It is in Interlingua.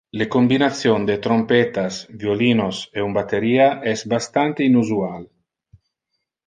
Le combination de trompettas, violinos e un batteria es bastante inusual.